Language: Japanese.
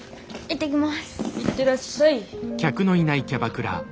行ってらっしゃい。